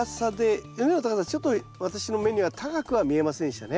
畝の高さちょっと私の目には高くは見えませんでしたね。